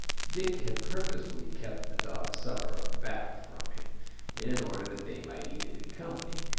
Dick had purposely kept the dog's supper back from him, in order that they might eat it in company.